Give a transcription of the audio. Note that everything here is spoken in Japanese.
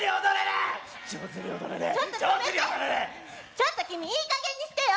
ちょっと君いいかげんにしてよ！